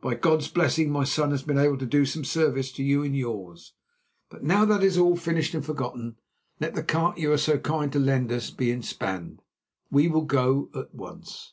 By God's blessing, my son has been able to do some service to you and yours, but now that is all finished and forgotten. Let the cart you are so kind as to lend us be inspanned. We will go at once."